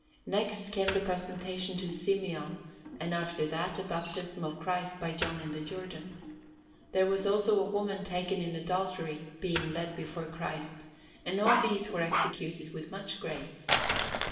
Next came the Presentation to Simeon, and after that the Baptism of Christ by John in the Jordan. There was also the Woman taken in Adultery being led before Christ, and all these were executed with much grace.